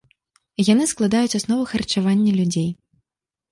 Яны складаюць аснову харчавання людзей.